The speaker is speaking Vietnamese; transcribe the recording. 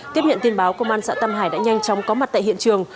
tiếp nhận tin báo công an xã tam hải đã nhanh chóng có mặt tại hiện trường